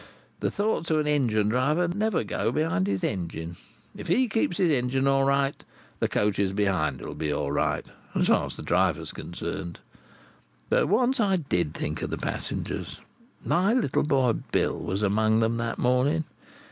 The thoughts of a engine driver never go behind his engine. If he keeps his engine all right, the coaches behind will be all right, as far as the driver is concerned. But once I did think of the passengers. My little boy, Bill, was among them that morning.